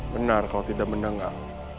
benar kau tidak mendengar